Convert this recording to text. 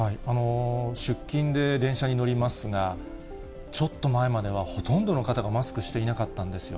出勤で電車に乗りますが、ちょっと前までは、ほとんどの方がマスクしていなかったんですよ。